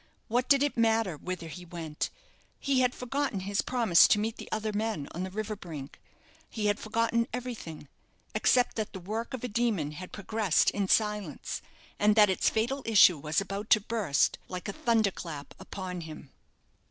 What did it matter whither he went? He had forgotten his promise to meet the other men on the river brink; he had forgotten everything, except that the work of a demon had progressed in silence, and that its fatal issue was about to burst like a thunder clap upon him.